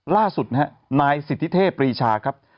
ล่าสุดนะฮะนายสิทธิเทพปรีชาครับ